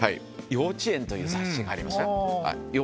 『幼稚園』という雑誌がありますね。